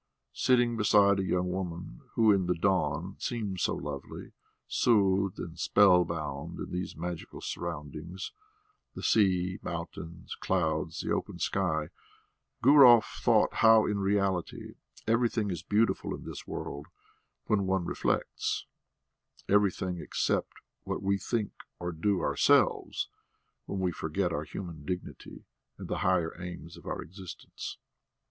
Sitting beside a young woman who in the dawn seemed so lovely, soothed and spellbound in these magical surroundings the sea, mountains, clouds, the open sky Gurov thought how in reality everything is beautiful in this world when one reflects: everything except what we think or do ourselves when we forget our human dignity and the higher aims of our existence.